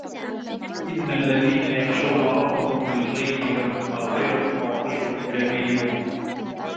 إِنَّ الَّذِينَ يَخْشَوْنَ رَبَّهُمْ بِالْغَيْبِ لَهُمْ مَغْفِرَةٌ وَأَجْرٌ كَبِيرٌ